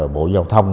bộ giao thông